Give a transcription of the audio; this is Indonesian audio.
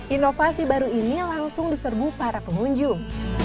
inovasi baru ini langsung diserbu para pengunjung